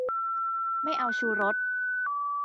ไม่เอาชูรส